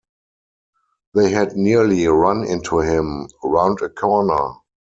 They had nearly run into him round a corner.